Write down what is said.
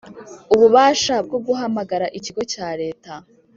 ububasha bwo guhamagara ikigo cya Leta